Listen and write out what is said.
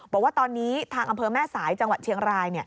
บอกว่าตอนนี้ทางอำเภอแม่สายจังหวัดเชียงราย